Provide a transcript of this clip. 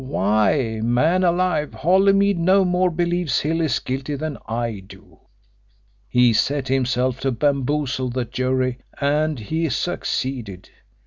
Why, man alive, Holymead no more believes Hill is guilty than I do. He set himself to bamboozle the jury and he succeeded.